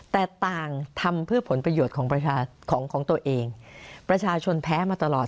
แต่ต่างทำเพื่อผลประโยชน์ของประชาชนของของตัวเองประชาชนแพ้มาตลอด